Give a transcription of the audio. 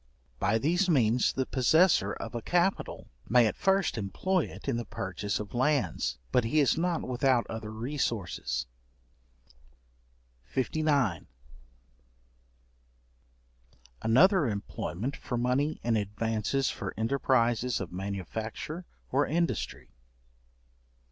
By these means the possessor of a capital may at first employ it in the purchase of lands; but he is not without other resources. §59. Another employment for money in advances for enterprises of manufacture or industry.